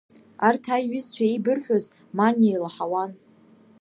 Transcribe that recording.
Арҭ аиҩызцәа иеибырҳәоз, Маниа илаҳауан.